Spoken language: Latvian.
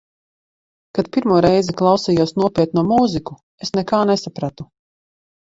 Kad pirmo reizi klausījos nopietno mūziku, es nekā nesapratu.